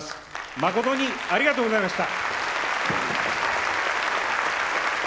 誠にありがとうございました。